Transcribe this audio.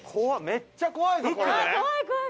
めっちゃ怖いぞこれ」